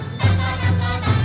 どこどん！」